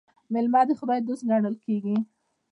میلمه د خدای دوست ګڼل کیږي.